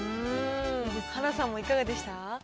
はなさんもいかがでした。